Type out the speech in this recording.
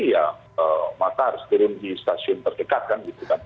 ya maka harus turun di stasiun terdekat kan